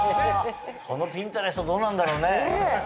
そのピンタレストどうなんだろうね？